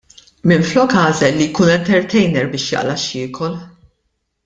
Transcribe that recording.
Minflok għażel li jkun entertainer biex jaqla' x'jiekol.